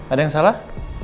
ada yang salah